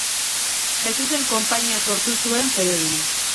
Jesusen Konpainia sortu zuen fededuna.